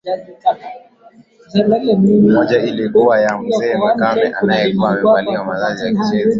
Moja ilikuwa ya mzee makame alikuwa amevalia mavazi ya kijeshi kufanya Jacob ashangae